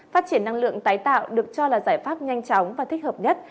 phát triển năng lượng tái tạo được cho là giải pháp nhanh chóng và thích hợp nhất